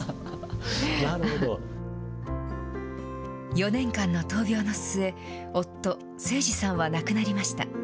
４年間の闘病の末、夫、晴治さんは亡くなりました。